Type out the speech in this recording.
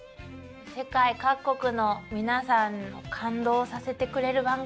世界各国の皆さんを感動させてくれる番組ね。